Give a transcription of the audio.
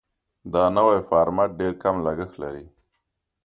دا نوی فارمټ ډېر کم لګښت لري.